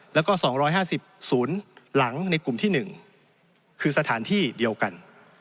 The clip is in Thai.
แล้วก็๒๕๐ศูนย์หลังในกลุ่มที่๑คือสถานที่เดียวกัน